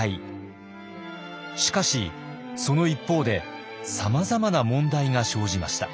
しかしその一方でさまざまな問題が生じました。